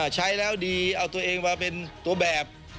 ใช้แล้วดีเอาตัวเองมาเป็นตัวแบบ